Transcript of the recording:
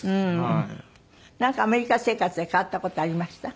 なんかアメリカ生活で変わった事ありました？